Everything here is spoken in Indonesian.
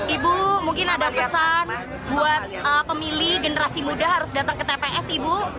ibu mungkin ada pesan buat pemilih generasi muda harus datang ke tps ibu